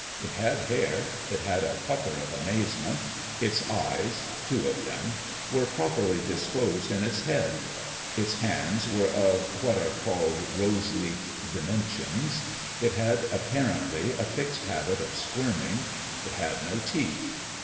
It had hair ; it had a pucker of amazement ; its eyes, two of them, were properly disposed in its head ; its hands were of what are called rose leaf dimen ioo The MAKING of a MAN sions ; it had, apparently, a fixed habit of squirm ing ; it had no teeth.